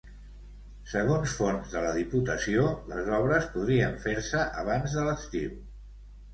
Segons fonts de la Diputació, les obres podrien fer-se abans de l’estiu.